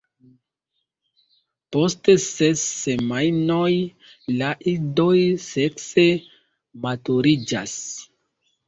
Post ses semajnoj la idoj sekse maturiĝas.